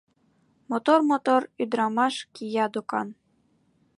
Мотор-мотор ӱдырамаш кия докан.